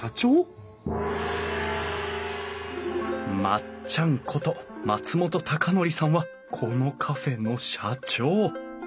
まっちゃんこと松本啓典さんはこのカフェの社長。